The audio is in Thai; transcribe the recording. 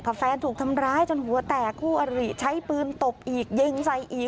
แฟนถูกทำร้ายจนหัวแตกคู่อริใช้ปืนตบอีกยิงใส่อีก